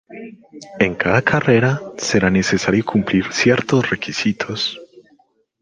En cada carrera será necesario cumplir ciertos requisitos.